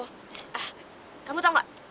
ah kamu tahu gak